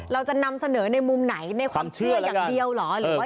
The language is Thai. เราจะนำเสนอในมุมไหนในความเชื่ออย่างเดียวเหรอหรือว่า